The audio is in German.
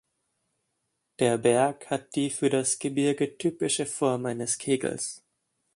Der Berg hat die für das Gebirge typische Form eines Kegels.